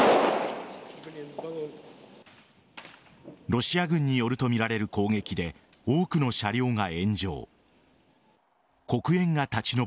ロシア軍によるとみられる攻撃で多くの車両が炎上。